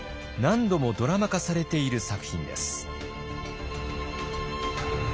何度もドラマ化されている作品です。